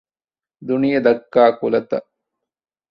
ދުނިޔެ ދައްކާ ކުލަތައް